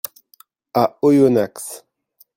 À Oyonnax.